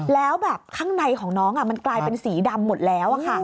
แล้วแบบข้างในของน้องมันกลายเป็นสีดำหมดแล้ว